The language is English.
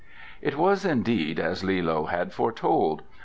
It was indeed as Li loe had foretold.